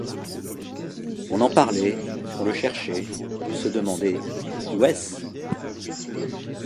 On en parlait, on le cherchait, on se demandait: Où est-ce?